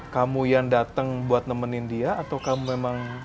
kamu yang datang buat nemenin dia atau kamu memang